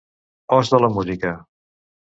Os de la música.